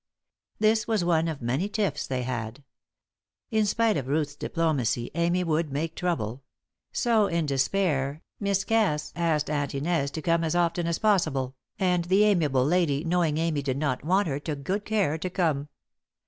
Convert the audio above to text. This was one of many tiffs they had. In spite of Ruth's diplomacy, Amy would make trouble; so, in despair, Miss Cass asked Aunt Inez to come as often as possible and the amiable lady, knowing Amy did not want her, took good care to come.